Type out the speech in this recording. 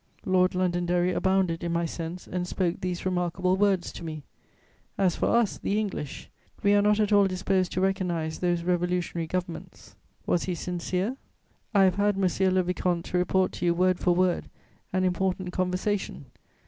"Lord Londonderry abounded in my sense and spoke these remarkable words to me: "'As for us (the English), we are not at all disposed to recognise those revolutionary governments.' "Was he sincere? "I have had, monsieur le vicomte, to report to you, word for word, an important conversation.